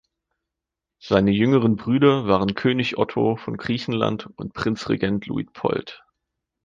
Seine jüngeren Brüder waren König Otto von Griechenland und Prinzregent Luitpold.